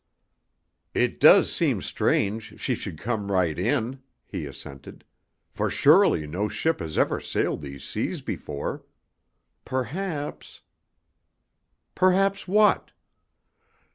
"It does seem strange she should come right on," he assented. "For surely no ship has ever sailed these seas before. Perhaps " "Perhaps what?"